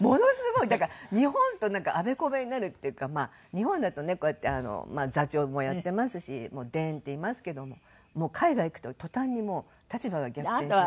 だから日本とあべこべになるっていうか日本だとねこうやって座長もやってますしデーン！っていますけども海外行くと途端にもう立場が逆転しちゃって。